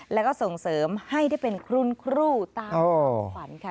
แล้วก็ส่งเสริมให้ได้เป็นคุณครูตามขวัญค่ะ